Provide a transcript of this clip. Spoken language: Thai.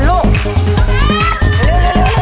เร็ว